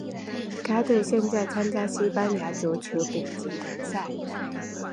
该队现在参加西班牙足球丙级联赛。